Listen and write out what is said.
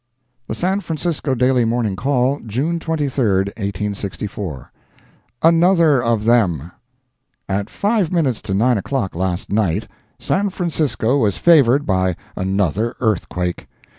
The San Francisco Daily Morning Call, June 23, 1864 ANOTHER OF THEM At five minutes to nine o'clock last night, San Francisco was favored by another earthquake.